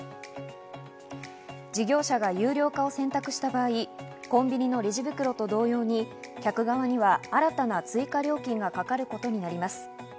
事業者が有料化を選択した場合、コンビニのレジ袋と同様に客側には新たな追加料金がかかることになります。